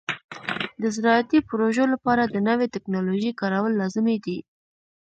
د زراعتي پروژو لپاره د نوې ټکنالوژۍ کارول لازمي دي.